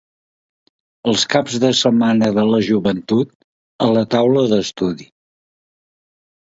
Els caps de setmana de la joventut, a la taula d'estudi.